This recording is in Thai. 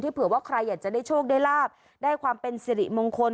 เผื่อว่าใครอยากจะได้โชคได้ลาบได้ความเป็นสิริมงคล